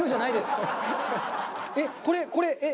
えっこれこれえっ！